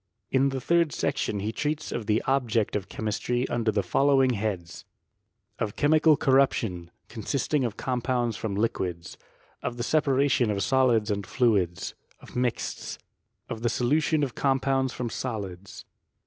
la the third section he treats of the object of chemistry under the following heads : Of chemical corruption, consisting of compounds from liquids, of the separation of solids and fluids, of mixts, of the solution of compounds from solids.